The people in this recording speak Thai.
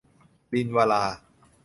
ลิลวรา